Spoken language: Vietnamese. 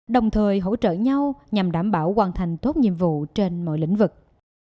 đồng thời hỗ trợ nhau nhằm đảm bảo hoàn thành tốt nhiệm vụ trên mọi lĩnh vực